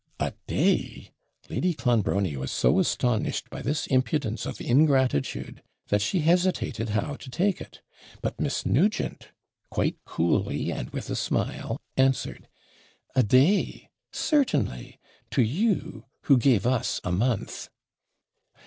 A DAY! Lady Clonbrony was so astonished by this impudence of ingratitude, that she hesitated how to TAKE IT; but Miss Nugent, quite coolly, and with a smile, answered, 'A DAY! certainly to you, who gave us a month!'